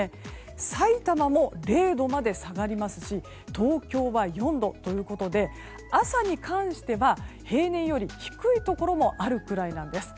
さいたまも０度まで下がりますし東京は４度ということで朝に関しては平年より低いところもあるくらいです。